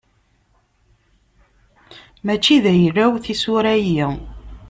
Mačči d ayla-w tisura-yi.